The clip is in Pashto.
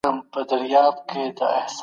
د تیرو اشتباهاتو تکرارول لویه ګناه ده.